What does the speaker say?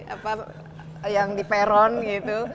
apa yang di peron gitu